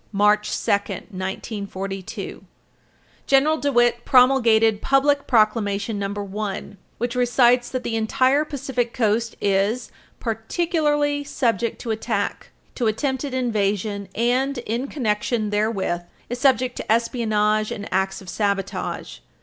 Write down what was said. March 2, 192, General DeWitt promulgated Public Proclamation No. 1, [Footnote 2/2] which recites that the entire Pacific Coast is "particularly subject to attack, to attempted invasion ..., and, in connection therewith, is subject to espionage and acts of sabotage."